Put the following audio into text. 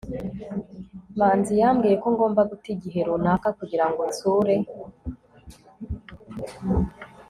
manzi yambwiye ko ngomba guta igihe runaka kugira ngo nsure